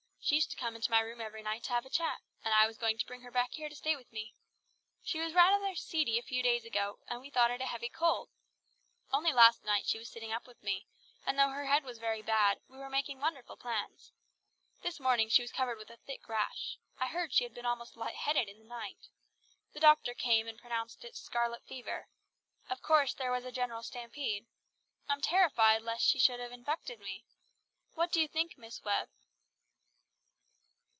She used to come into my room every night to have a chat, and I was going to bring her back here to stay with me. She was rather seedy a few days ago, and we thought it a heavy cold. Only last night she was sitting up with me, and though her head was very bad, we were making wonderful plans. This morning she was covered with a thick rash. I heard she had almost been light headed in the night. The doctor came and pronounced it scarlet fever. Of course there was a general stampede. I'm terrified lest she should have infected me. What do you think, Miss Webb?"